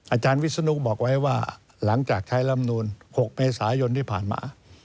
อาจารย์วิศนุบอกไว้ว่าหลังจากใช้ลำนูน๖เมษายนที่ผ่านมา